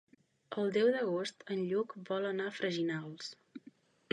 El deu d'agost en Lluc vol anar a Freginals.